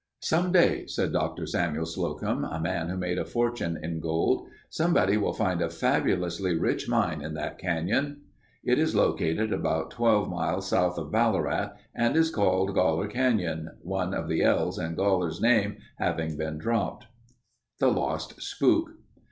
"Some day," said Dr. Samuel Slocum, a man who made a fortune in gold, "somebody will find a fabulously rich mine in that canyon." It is located about 12 miles south of Ballarat and is called Goler canyon—one of the l's in Goller's name having been dropped. THE LOST SPOOK.